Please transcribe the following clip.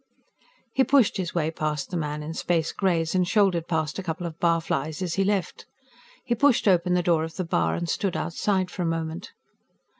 He pushed his way past the man in Space Grays and shouldered past a couple of barflies as he left. He pushed open the door of the bar and stood outside for a moment.